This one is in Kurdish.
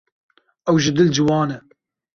Ew ji dil ciwan e.